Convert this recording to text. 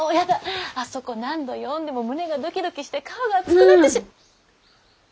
あそこ何度読んでも胸がドキドキして顔が熱くなって。